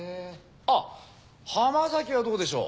あっ浜崎はどうでしょう？